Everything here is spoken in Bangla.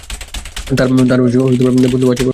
তার বন্ধু ও আছে ব্রো!